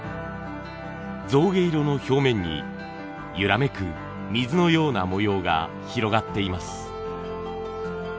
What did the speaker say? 象牙色の表面にゆらめく水のような模様が広がっています。